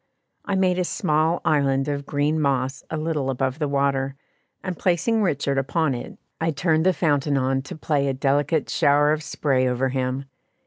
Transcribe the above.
I made a small island of green moss a little above the water, and, placing Richard upon it, I turned the fountain on to play a delicate shower of spray over him.